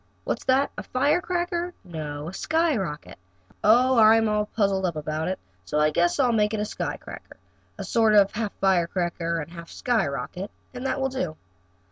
What's that a firecracker no? A skyrocket? Oh, I'm all puzzled up about it, so I guess I'll make it a sky cracker, a sort of half firecracker and half skyrocket, and that will do.